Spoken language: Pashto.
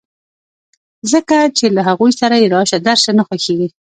ځکه چې له هغوی سره يې راشه درشه نه خوښېږي.